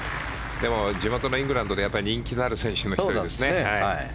でも、地元のイングランドで人気のある選手の１人ですね。